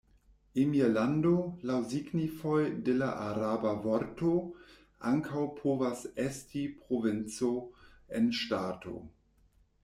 Emirlando, laŭ signifoj de la araba vorto, ankaŭ povas esti provinco en ŝtato.